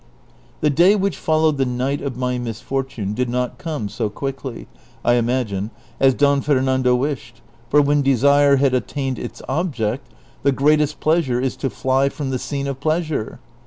The day which followed the night of ray misfortune did not coine so quickly, T imagine, as Don Fernando wished, for \vhcn desire had attained its object, the greatest pleasure is to fly from the scene of pleasure.